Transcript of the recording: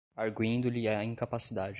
arguindo-lhe a incapacidade